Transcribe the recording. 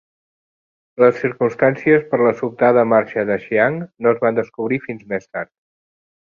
Les circumstàncies per la sobtada marxa de Chiang no es van descobrir fins més tard.